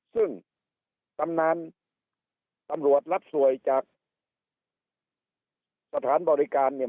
ซึ่งตำนานตำรวจรับสวยจากสถานบริการเนี่ย